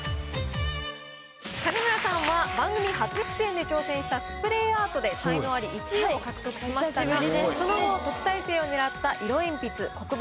金村さんは番組初出演で挑戦したスプレーアートで才能アリ１位を獲得しましたがその後特待生を狙った色鉛筆黒板